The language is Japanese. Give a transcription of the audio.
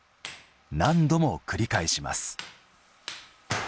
何度も繰り返します。